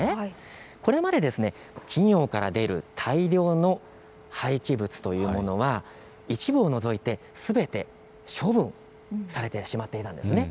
これまで企業から出る大量の廃棄物というものは一部を除いてすべて処分されてしまっていたんです。